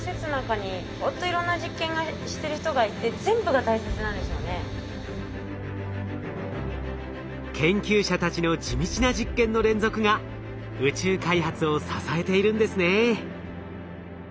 当たり前ですけど研究者たちの地道な実験の連続が宇宙開発を支えているんですね。